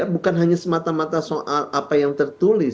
bukan hanya semata mata soal apa yang tertulis